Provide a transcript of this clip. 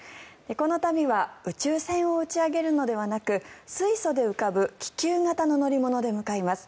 この度は宇宙船を打ち上げるのではなく水素で浮かぶ気球型の乗り物で向かいます。